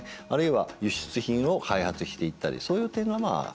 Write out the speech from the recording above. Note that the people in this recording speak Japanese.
あるいは輸出品を開発していったりそういう点がまあ